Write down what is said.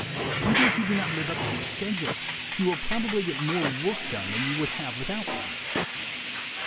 Even if you do not live up to your schedule, you will probably get more work done than you would have without one.